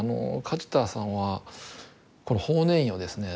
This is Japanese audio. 梶田さんはこの法然院をですね